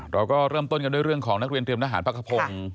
เราก็เริ่มต้นกันด้วยเรื่องของนักเรียนเตรียมทหารพักขพงศ์